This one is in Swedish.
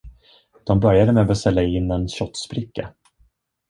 De började med att beställa in en shotsbricka.